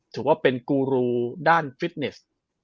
ถือว่าเป็นกูรูด้านฟิตเนส